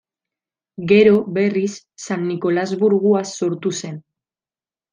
Gero, berriz, San Nikolas burgua sortu zen.